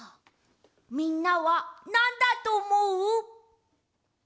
みんなはなんだとおもう？